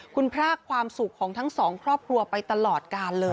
คุณพรากความสุขของทั้งสองครอบครัวไปตลอดกาลเลย